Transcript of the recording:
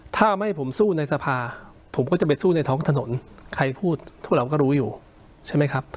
ถ้าไม่ผมสู้ในสภาผมก็จะไปสู้ในท้องถนนใครพูดพวกเราก็รู้อยู่ใช่ไหมครับ